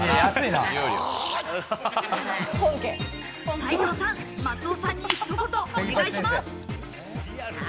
斉藤さん、松尾さんにひと言お願いします。